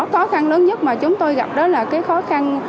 khó khăn lớn nhất mà chúng tôi gặp đó là cái khó khăn